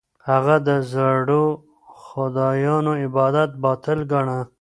هغه د زړو خدایانو عبادت باطل ګاڼه.